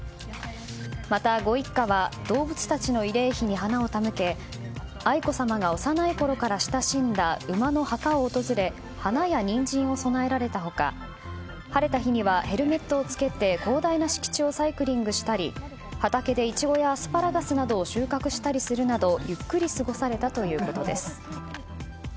また、ご一家は動物たちの慰霊碑に花を手向け愛子さまが幼いころから親しんだ馬の墓を訪れ花やニンジンを供えられた他晴れた日にはヘルメットを着けて広大な敷地をサイクリングしたり畑でイチゴやアスパラガスなどを収穫したりするなどゆっくり過ごされたということです。